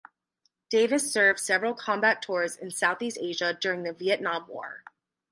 Davis served several combat tours in Southeast Asia during the Vietnam War.